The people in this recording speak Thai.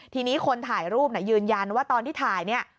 ทีนี้คนถ่ายรูปยืนยันว่าตอนที่ถ่ายเนี่ย